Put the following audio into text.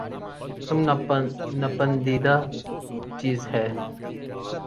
تم ناپندیدہ چیز ہے